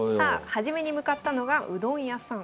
初めに向かったのがうどん屋さん。